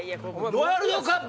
ワールドカップ。